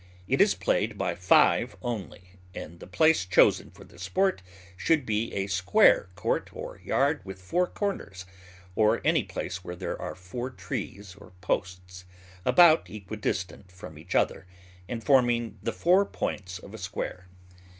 It is played by five only; and the place chosen for the sport should be a square court or yard with four corners, or any place where there are four trees or posts, about equidistant from each other, and forming the four points of a square.